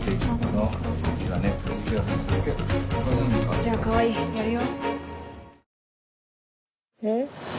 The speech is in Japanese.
じゃあ川合やるよ。